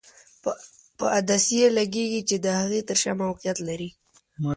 په عدسیې لګیږي چې د هغې تر شا موقعیت لري.